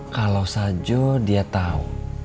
kalau saja dia tahu